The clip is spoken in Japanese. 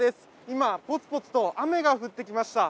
今、ぽつぽつと雨が降ってきました。